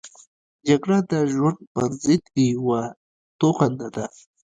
جګړه د ژوند پرضد یوه توغنده ده